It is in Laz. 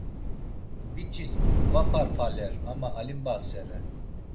Biç̌is gvaparpaler ama alimbasere.